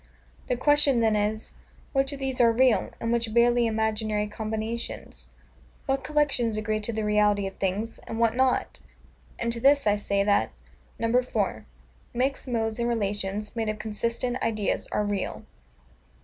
The question then is, Which of these are real, and which barely imaginary combinations? What collections agree to the reality of things, and what not? And to this I say that, 4. Mixed Modes and Relations, made of consistent Ideas, are real.